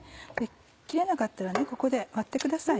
切れなかったらここで割ってください。